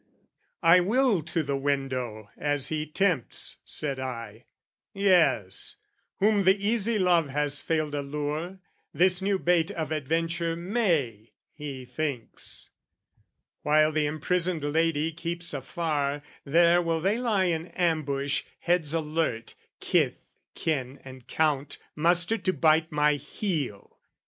"I will to the window, as he tempts," said I: "Yes, whom the easy love has failed allure, "This new bait of adventure may, he thinks. "While the imprisoned lady keeps afar, "There will they lie in ambush, heads alert, "Kith, kin, and Count mustered to bite my heel.